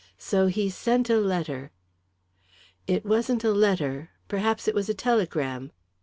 So he sent a letter " "It wasn't a letter. Perhaps it was a telegram."